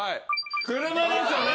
車ですよね。